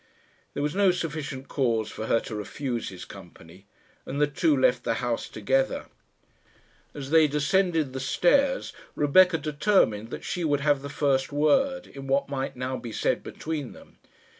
There was no sufficient cause for her to refuse his company, and the two left the house together. As they descended the stairs, Rebecca determined that she would have the first word in what might now be said between them.